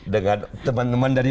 dengan teman teman dari